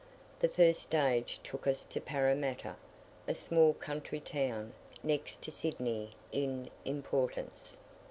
The first stage took us to Paramatta, a small country town, next to Sydney in importance.